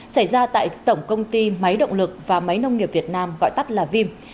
xảy ra tại tổng công ty máy động lực và máy nông nghiệp việt nam gọi tắt là vim